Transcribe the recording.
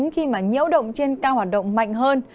khi mà nhiễu động trên cao hoạt động mạnh hơn